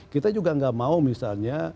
kita juga nggak mau misalnya